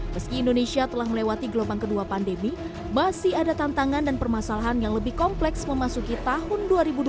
meski indonesia telah melewati gelombang kedua pandemi masih ada tantangan dan permasalahan yang lebih kompleks memasuki tahun dua ribu dua puluh